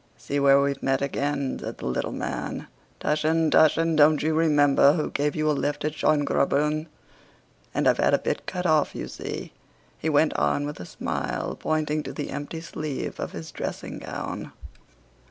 "See where we've met again!" said the little man. "Túshin, Túshin, don't you remember, who gave you a lift at Schön Grabern? And I've had a bit cut off, you see..." he went on with a smile, pointing to the empty sleeve of his dressing gown.